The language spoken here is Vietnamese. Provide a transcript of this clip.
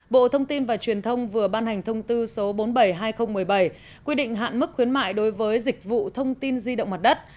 bộ thông tin và truyền thông vừa ban hành thông tư số bốn mươi bảy hai nghìn một mươi bảy quy định hạn mức khuyến mại đối với dịch vụ thông tin di động mặt đất